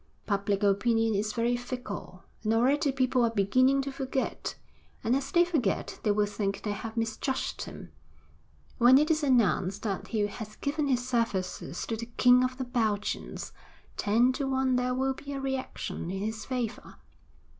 Public opinion is very fickle, and already people are beginning to forget, and as they forget they will think they have misjudged him. When it is announced that he has given his services to the King of the Belgians, ten to one there will be a reaction in his favour.'